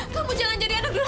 kamu jangan jadi anak dohaka